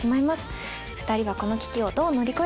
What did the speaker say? ２人はこの危機をどう乗り越えるのか。